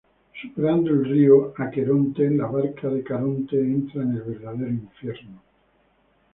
Superando el río Aqueronte en la barca de Caronte entra en el verdadero Infierno.